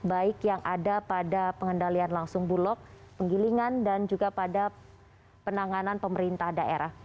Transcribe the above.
baik yang ada pada pengendalian langsung bulog penggilingan dan juga pada penanganan pemerintah daerah